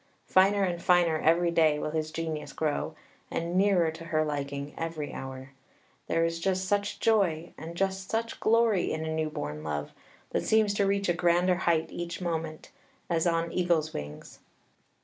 Finer and finer every day will his genius grow, and nearer to her liking every hour. There is just such joy and just such glory in a new born love, that seems to reach a grander height each moment, as on eagle's wings.